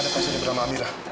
ada pasien yang bernama amira